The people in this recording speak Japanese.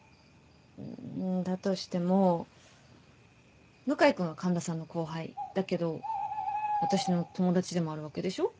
うんだとしても向井君は環田さんの後輩だけど私の友達でもあるわけでしょ。